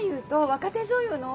若手女優の？